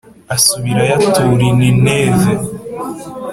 asubirayo atura i Nineve